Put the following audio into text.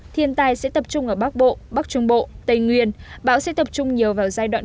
thiên tai sẽ tập trung ở bắc bộ bắc trung bộ tây nguyên bão sẽ tập trung nhiều vào giai đoạn